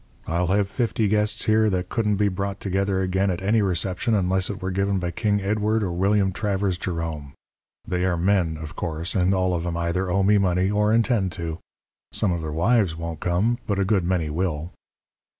I'll have fifty guests here that couldn't be brought together again at any reception unless it were given by King Edward or William Travers Jerome. They are men, of course, and all of 'em either owe me money or intend to. Some of their wives won't come, but a good many will.'